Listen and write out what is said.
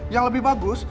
yang lebih bagus